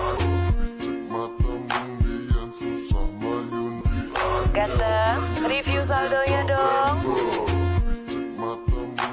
abis saat diaruh pijak mata mendi yang susah mayun di aja